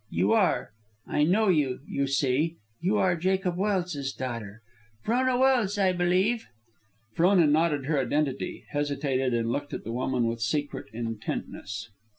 You are, I know you, you see, you are Jacob Welse's daughter, Frona Welse, I believe." Frona nodded her identity, hesitated, and looked at the woman with secret intentness.